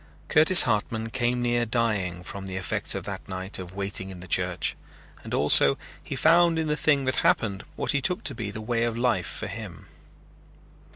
Curtis Hartman came near dying from the effects of that night of waiting in the church, and also he found in the thing that happened what he took to be the way of life for him.